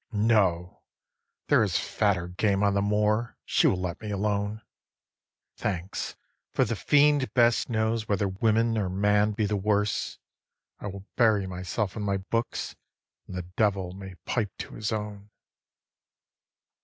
No, there is fatter game on the moor; she will let me alone. Thanks, for the fiend best knows whether woman or man be the worse. I will bury myself in my books, and the Devil may pipe to his own.